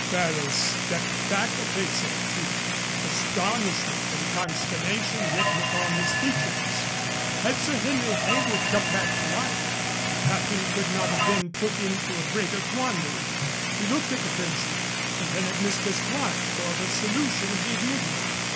Ferrers stepped back a pace or two, astonishment and consternation written upon his features. Had Sir Henry Heywood come back to life, the Captain could not have been put into a greater quandary. He looked at the Frenchman and then at Mistress Clerke for the solution of the enigma.